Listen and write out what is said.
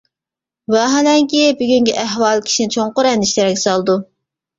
ۋاھالەنكى، بۈگۈنكى ئەھۋال كىشىنى چوڭقۇر ئەندىشىلەرگە سالىدۇ.